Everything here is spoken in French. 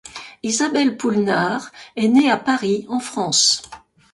Isabelle Poulenard est née à Paris, en France.